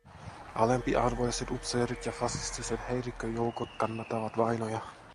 Alempiarvoiset upseerit ja fasistiset häirikköjoukot kannattavat vainoja.